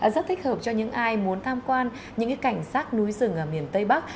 rất thích hợp cho những ai muốn tham quan những cảnh sát núi rừng ở miền tây bắc